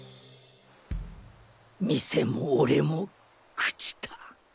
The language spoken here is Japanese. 店も俺も朽ちた。